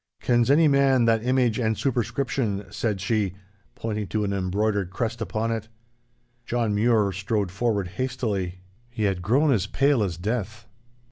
'Kens ony man that image and superscription?' said she, pointing to an embroidered crest upon it. John Mure strode forward hastily. He had grown as pale as death.